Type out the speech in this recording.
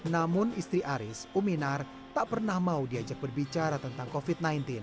namun istri aris uminar tak pernah mau diajak berbicara tentang covid sembilan belas